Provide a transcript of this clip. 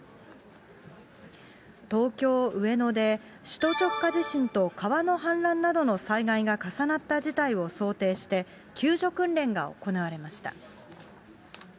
東京・上野で首都直下地震と川の氾濫などの災害が重なった事態を想定して、救助訓練が行われました。